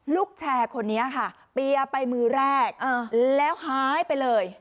แชร์คนนี้ค่ะเปียไปมือแรกแล้วหายไปเลย